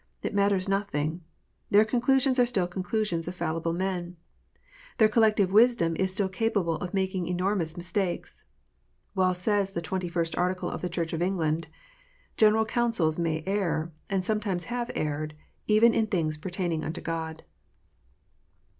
It matters nothing. Their conclusions are still the conclusions of fallible mm. Their collective wisdom is still capable of making enormous mistakes. Well says the Twenty first Article of the Church of England, " General councils may err, and sometimes have erred, even in things pertaining unto God."